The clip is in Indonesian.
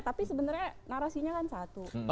tapi sebenarnya narasinya kan satu